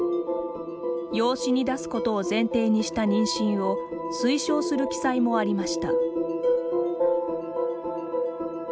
養子に出すことを前提にした妊娠を推奨する記載もありました。